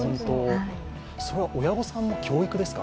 親御さんの教育ですか？